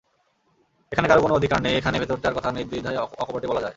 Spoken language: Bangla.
এখানে কারও কোনো অধিকার নেই, এখানে ভেতরটার কথা নির্দ্বিধায় অকপটে বলা যায়।